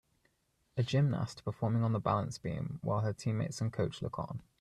A gymnast performing on the balance beam while her teammates and coach look on.